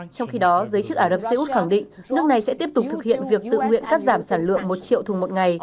trong khi đó giới chức ả rập xê út khẳng định nước này sẽ tiếp tục thực hiện việc tự nguyện cắt giảm sản lượng một triệu thùng một ngày